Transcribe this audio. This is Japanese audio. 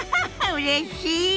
うれしい！